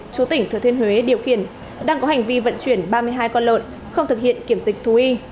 chủ tỉnh thừa thiên huế điều khiển đang có hành vi vận chuyển ba mươi hai con lột không thực hiện kiểm dịch thù y